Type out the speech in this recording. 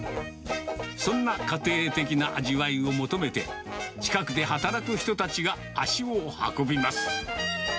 そんな家庭的な味わいを求めて、近くで働く人たちが足を運びます。